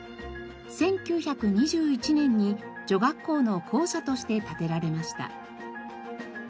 １９２１年に女学校の校舎として建てられました。